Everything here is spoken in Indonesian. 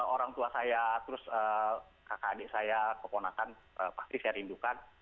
orang tua saya terus kakak adik saya keponakan pasti saya rindukan